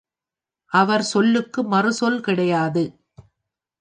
அவர் சொல்லுக்கு மறுசொல் கிடையாது.